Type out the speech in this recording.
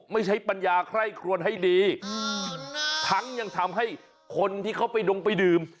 ไม่ใช่ปัญญาไคร่ครวนให้ดีทั้งยังทำให้คนที่เขาไปดงไปดื่ม